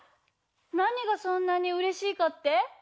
なにがそんなにうれしいかって？